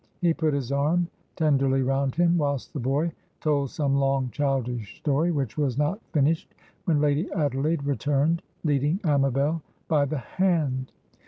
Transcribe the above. He put his arm tenderly round him, whilst the boy told some long childish story, which was not finished when Lady Adelaide returned, leading Amabel by the hand.